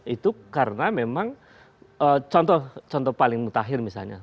itu karena memang contoh paling mutakhir misalnya